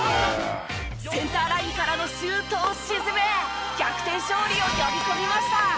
センターラインからのシュートを沈め逆転勝利を呼び込みました。